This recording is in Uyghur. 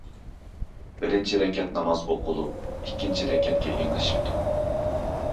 بىرىنچى رەكەت ناماز ئوقۇلۇپ، ئىككىنچى رەكەتكە ئېڭىشىپتۇ.